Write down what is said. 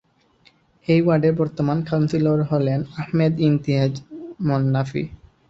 এ ওয়ার্ডের বর্তমান কাউন্সিলর হলেন আহমেদ ইমতিয়াজ মন্নাফী।